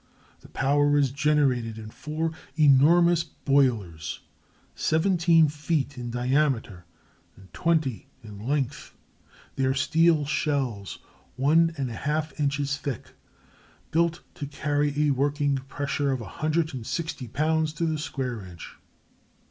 The power is generated in four enormous boilers, seventeen feet in diameter and twenty in length, their steel shells one and a half inches thick, built to carry a working pressure of 160 pounds to the square inch.